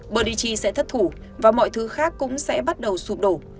bờ địa chỉ sẽ thất thủ và mọi thứ khác cũng sẽ bắt đầu sụp đổ